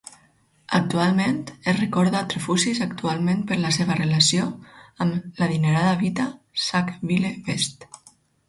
Actualment, es recorda Trefusis actualment per la seva relació amb l'adinerada Vita Sackville-West.